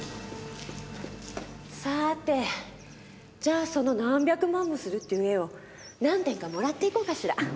さあてじゃあその何百万もするっていう絵を何点かもらっていこうかしら。